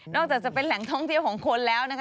จากจะเป็นแหล่งท่องเที่ยวของคนแล้วนะคะ